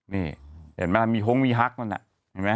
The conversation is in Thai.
นี่เห็นไหมล่ะมีโฮงมีฮักนั่นน่ะเห็นไหม